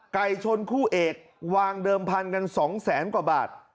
ไก่ชนคู่เอกวางเดิมพันกัน๒แสนกว่าบาท